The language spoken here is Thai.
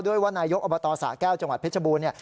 ด้วยว่านายกอบตสะแก้วจังหวัดเพชรบูรณ์